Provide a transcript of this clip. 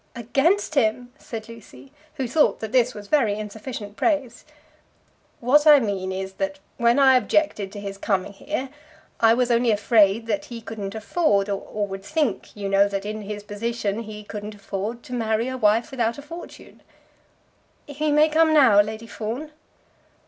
"Against him!" said Lucy, who thought that this was very insufficient praise. "What I mean is, that when I objected to his coming here I was only afraid that he couldn't afford, or would think, you know, that in his position he couldn't afford to marry a wife without a fortune." "He may come now, Lady Fawn?"